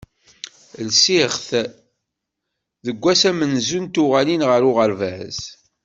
Lsiɣ-t deg wass amenzu n tuɣalin ɣer uɣerbaz.